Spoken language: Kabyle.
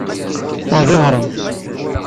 Wa d iɣrem.